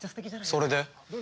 それで？